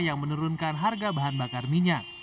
yang menurunkan harga bahan bakar minyak